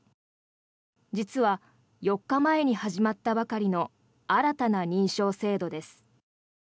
実は、４日前に始まったばかりの新たな認証制度です。